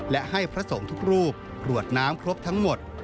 และให้พระสงฆ์ทุกรูปกรวดน้ำครบทั้งหมด